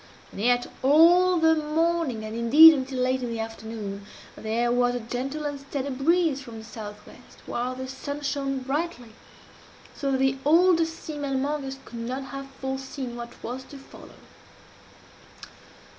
And yet all the morning, and indeed until late in the afternoon, there was a gentle and steady breeze from the south west, while the sun shone brightly, so that the oldest seamen among us could not have forseen what was to follow.